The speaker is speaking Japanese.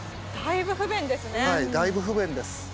だいぶ不便です。